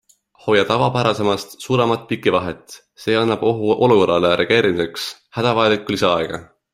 Hoia tavapärasemast suuremat pikivahet, see annab ohuolukorrale reageerimiseks hädavajalikku lisaaega.